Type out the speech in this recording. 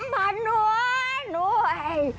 ๓พันโน้นด้วย